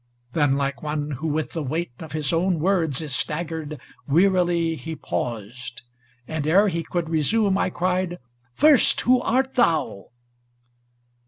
ŌĆö Then like one who with the weight Of his own words is staggered, wearily He paused ; and ere he could resume, I cried: ' First, who art thou